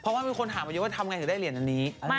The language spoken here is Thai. เพราะว่ามีคนถามมาเยอะว่าทำไงถึงได้เหรียญอันนี้